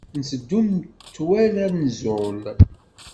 Nteddu metwal anẓul.